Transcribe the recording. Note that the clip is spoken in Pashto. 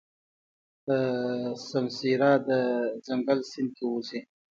سمسيره د ځنګل سیند کې اوسي.